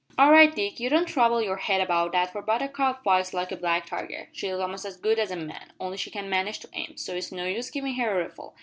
"All right Dick; you don't trouble your head about that for Buttercup fights like a black tiger. She's a'most as good as a man only she can't manage to aim, so it's no use givin' her a rifle.